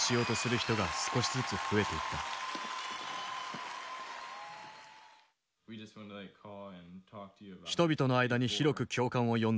人々の間に広く共感を呼んだ映像がある。